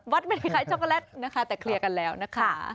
ไม่ได้ขายช็อกโกแลตนะคะแต่เคลียร์กันแล้วนะคะ